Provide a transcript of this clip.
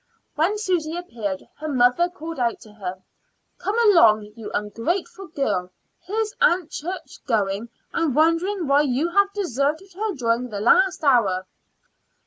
When Susy appeared her mother called out to her: "Come along, you ungrateful girl. Here's Aunt Church going, and wondering why you have deserted her during the last hour."